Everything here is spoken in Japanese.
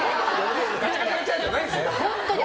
ガチャガチャじゃないんですよ。